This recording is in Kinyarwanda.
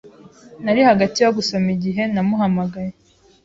Nari hagati yo gusoma igihe namuhamagaye.